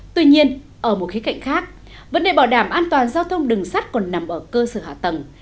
tuy nhiên ở một khía cạnh khác vấn đề bảo đảm an toàn giao thông đường sắt còn nằm ở cơ sở hạ tầng